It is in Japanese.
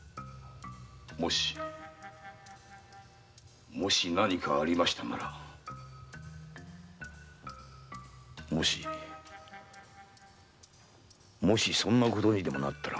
もしもし何かありましたならもしそんなことにでもなったら黙ってはおりませんぜ。